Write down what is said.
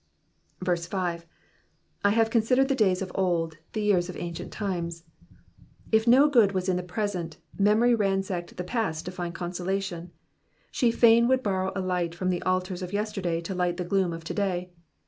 5. ^'ITiave considered the days of oldy the years of ancient times.'*^ If no good was in the present, memory ransacked the past to find consolation. She fain would borrow a light from the altars of yesterday to light the gloom of to day.